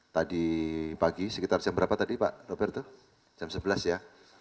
tadi pagi sekitar jam berapa tadi pak robert itu jam sebelas ya